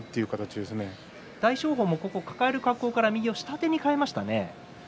大翔鵬も抱える格好から右下手に変えましたね。